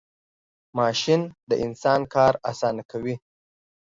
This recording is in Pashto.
ماشین د انسان کار آسانه کوي .